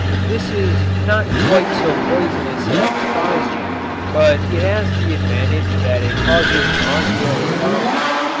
This is not quite so poisonous as phosgene, but it has the advantage that it causes nausea and vomiting.